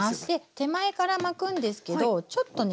手前から巻くんですけどちょっとね